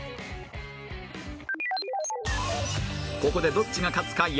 ここでどっちが勝つか予想